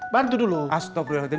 bantu dulu astaghfirullahaladzim